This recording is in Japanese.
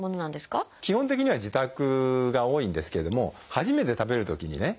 基本的には自宅が多いんですけれども初めて食べるときにね